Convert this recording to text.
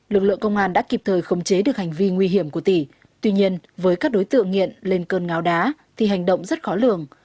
lực lượng công an đã kịp thời khống chế được hành vi nguy hiểm của tỷ tuy nhiên với các đối tượng nghiện lên cơn ngáo đá thì hành động rất khó lường